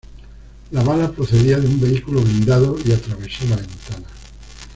La bala procedía de un vehículo blindado y atravesó la ventana.